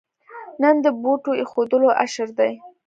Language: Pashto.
نن د بوټو اېښودلو اشر دی.